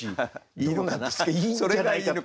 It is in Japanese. いいんじゃないか。